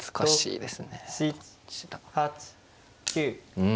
うん。